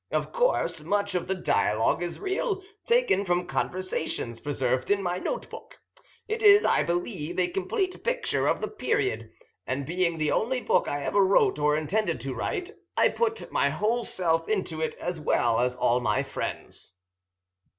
Of course much of the dialogue is real, taken from conversations preserved in my note book. It is, I believe, a complete picture of the period, and being the only book I ever wrote or intended to write, I put my whole self into it, as well as all my friends."